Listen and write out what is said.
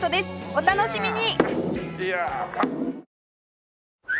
お楽しみに！